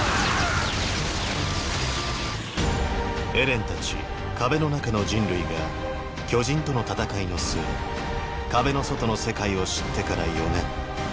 エレンたち壁の中の人類が巨人との戦いの末壁の外の世界を知ってから４年。